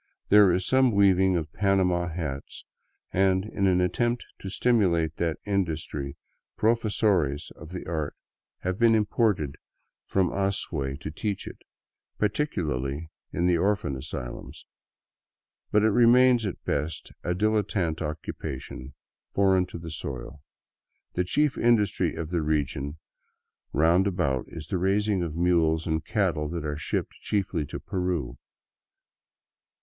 There is some weaving of " panama " hats, and in an attempt to stimulate that industry " profesores " of the art have been imported 204 THROUGH SOUTHERN ECUADOR from the Azuay to teach it, particularly in the orphan asylums. But it remains at best a dilettante occupation, foreign to the soil. The chief industry of the region round about is the raising of mules and cattle that are shipped chiefly to Peru.